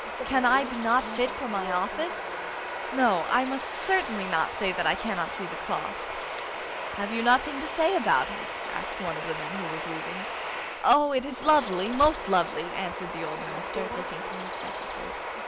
Can I be not fit for my office? No, I must certainly not say that I cannot see the cloth!' 'Have you nothing to say about it?' asked one of the men who was weaving. 'Oh, it is lovely, most lovely!' answered the old minister, looking through his spectacles.